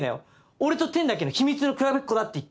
俺とてんだけの秘密の比べっこだって言って。